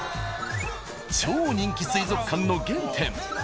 超人気水族館の原点